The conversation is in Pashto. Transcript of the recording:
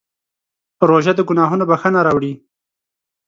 روژه د ګناهونو بښنه راوړي.